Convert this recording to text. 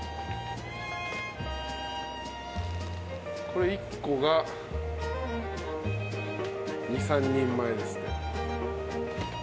これ１個が２３人前ですって。